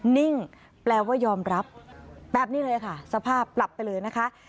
นิ่งแปลว่ายอมรับแบบนี้เลยค่ะสภาพปรับไปเลยนะคะ